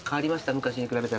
昔に比べたら。